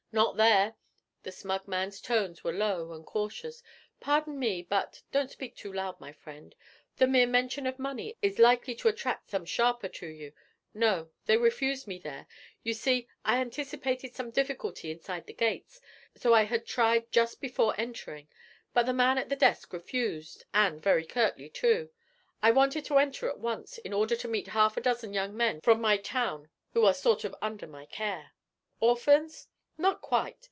'Not there.' The smug man's tones were low and cautious. 'Pardon me, but don't speak too loud, my friend the mere mention of money is likely to attract some sharper to you. No, they refused me there. You see, I anticipated some difficulty inside the gates, so I had tried just before entering; but the man at the desk refused, and very curtly, too. I wanted to enter at once in order to meet half a dozen young men from my town who are sort of under my care.' 'Orphans?' 'Not quite.